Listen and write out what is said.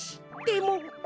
でも。